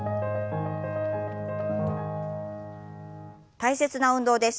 大切な運動です。